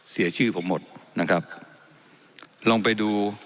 เสียชื่อผมหมดนะครับลองไปดู